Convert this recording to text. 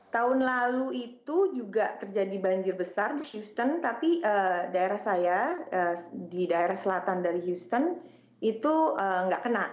tahun lalu itu juga terjadi banjir besar di houston tapi daerah saya di daerah selatan dari houston itu nggak kena